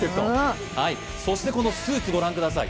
そしてこのスーツ、ご覧ください